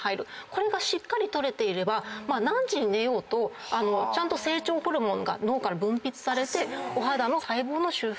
これがしっかり取れていれば何時に寝ようとちゃんと成長ホルモンが脳から分泌されてお肌の細胞の修復